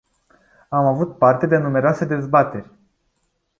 Am avut parte de numeroase dezbateri.